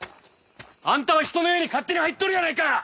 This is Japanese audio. あんたは人の家に勝手に入っとるやないか！